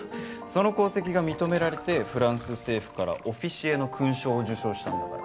その功績が認められてフランス政府からオフィシエの勲章を受章したんだから。